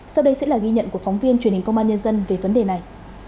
sau đây sẽ là ghi nhận của phóng viên truyền hình công an nhân dân về vấn đề này